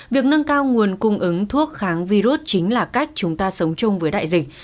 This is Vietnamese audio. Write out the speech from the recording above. việc nâng cao nguồn cung ứng thuốc kháng virus chính là cách chúng ta sống chung với đại dịch